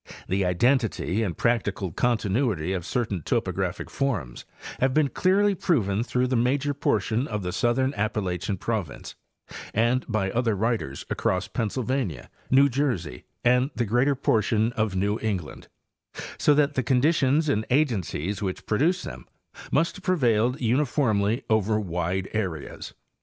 The identity and practical continuity of certain topographic forms have been clearly proven through the major portion of the southern Appalachian province, and by other writers across Pennsylvania, New Jersey and the greater por tion of New England, so that the conditions and agencies which produced them ane have prevailed uniformly over wide areas.